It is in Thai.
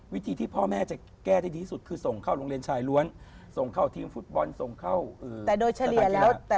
วิธีที่พ่อแม่จะแก้ได้ดีที่สุดคือส่งเข้าโรงเรียนชายล้วนส่งเข้าทีมฟุตบอลส่งเข้าแต่โดยเฉลี่ยแล้ว